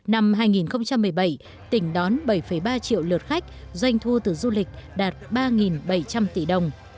năm hai nghìn một mươi bảy tỉnh đón bảy ba triệu lượt khách doanh thu từ du lịch đạt ba bảy trăm linh tỷ đồng